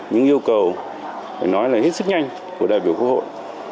những yêu cầu phải nói là hết sức nhanh của đại biểu quốc hội